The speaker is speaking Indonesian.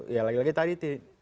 ya lagi lagi tadi